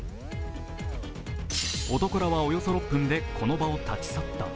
男らはおよそ６分でこの場を立ち去った。